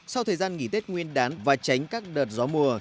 sau thời gian nghỉ tết nguyên đán và tránh các đợt gió mùa